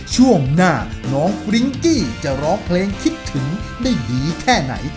ช่วงหน้าน้องฟริ้งกี้จะร้องเพลงคิดถึงได้ดีแค่ไหน